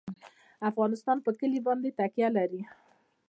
افغانستان په کلي باندې تکیه لري.